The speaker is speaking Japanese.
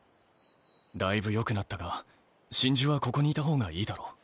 だいぶよくなったが真珠はここにいた方がいいだろう。